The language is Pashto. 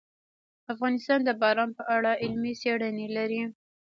افغانستان د باران په اړه علمي څېړنې لري.